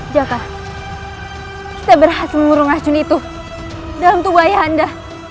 jaka saya berhasil mengurung racun itu dalam tubuh ayah anda